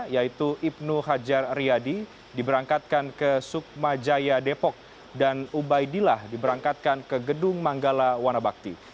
yaitu ibnu hajar riyadi diberangkatkan ke sukma jaya depok dan ubaidillah diberangkatkan ke gedung manggala wanabakti